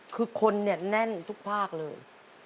คือคนเนี่ยแน่นทุกภาคเลย